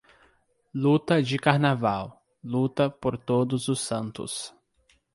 Luta de Carnaval, Luta por Todos os Santos.